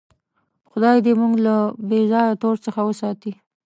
خدای دې موږ له بېځایه تور څخه وساتي.